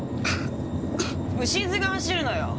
虫唾が走るのよ！